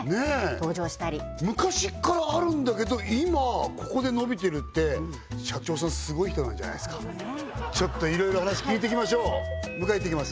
登場したり昔っからあるんだけど今ここで伸びてるって社長さんスゴい人なんじゃないっすかちょっといろいろ話聞いてきましょう迎えいってきます